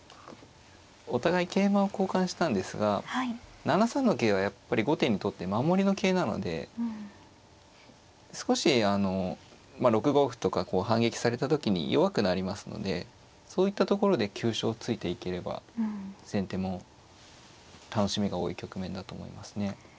お互い桂馬を交換したんですが７三の桂はやっぱり後手にとって守りの桂なので少しあの６五歩とか反撃された時に弱くなりますのでそういったところで急所をついていければ先手も楽しみが多い局面だと思いますね。